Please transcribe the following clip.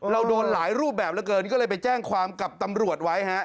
โดนหลายรูปแบบเหลือเกินก็เลยไปแจ้งความกับตำรวจไว้ฮะ